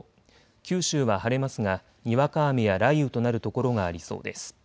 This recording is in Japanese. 九州は晴れますが、にわか雨や雷雨となる所がありそうです。